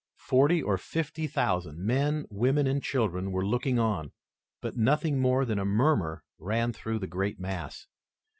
Forty or fifty thousand, men, women and children, were looking on, but nothing more than a murmur ran through the great mass.